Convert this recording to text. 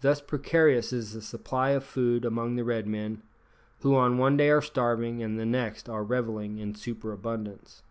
Thus precarious is the supply of food among the Red men, who on one day are starving, and the next are revelling in superabundance.